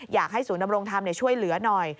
อยากให้ศูนยำรงธรรมช่วยเหลือหน่อย